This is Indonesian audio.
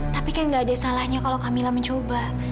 tapi kan gak ada salahnya kalau kak mila mencoba